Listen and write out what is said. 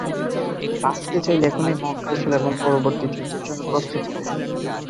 বাঁচতে চাইলে এখনই মক্কায় চল এবং পরবর্তী যুদ্ধের জন্য প্রস্তুত হও।